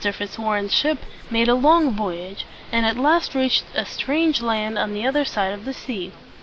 Fitzwarren's ship made a long voyage, and at last reached a strange land on the other side of the sea.